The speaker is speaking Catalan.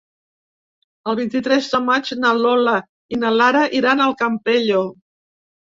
El vint-i-tres de maig na Lola i na Lara iran al Campello.